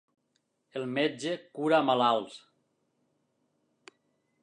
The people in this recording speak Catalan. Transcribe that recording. El metge cura malalts.